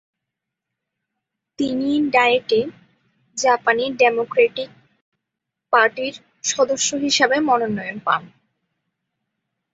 তিনি "ডায়েটে"জাপানি ডেমোক্রেটিক পার্টির সদস্য হিসেবে মনোনয়ন পান।